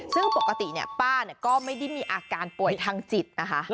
ซึ่งปกติป้าก็ไม่ได้มีอาการป่วยทางจิตนะคะ